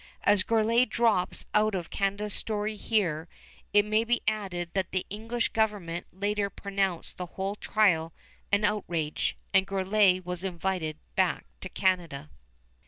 As Gourlay drops out of Canada's story here, it may be added that the English government later pronounced the whole trial an outrage, and Gourlay was invited back to Canada.